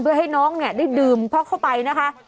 เพื่อให้น้องได้ดื่มพักเข้าไปนะคะ